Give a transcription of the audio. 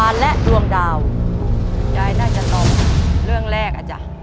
ยายน่าจะตอบเรื่องแรกอ่ะจ๊ะ